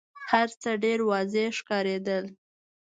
هرڅه ډېر واضح ښکارېدل.